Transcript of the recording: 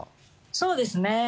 そうですね。